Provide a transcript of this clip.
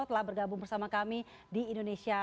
telah bergabung bersama kami di indonesia